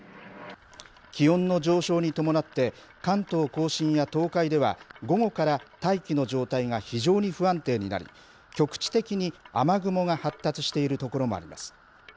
気温の上昇に伴って、関東甲信や東海では、午後から大気の状態が非常に不安定になり、局地的に雨雲が発達している所もあります。